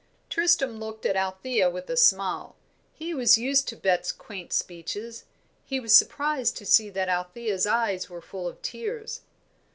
'" Tristram looked at Althea with a smile; he was used to Bet's quaint speeches. He was surprised to see that Althea's eyes were full of tears.